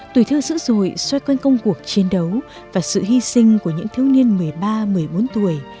tuổi thơ dữ dội xoay quanh công cuộc chiến đấu và sự hy sinh của những thiếu niên một mươi ba một mươi bốn tuổi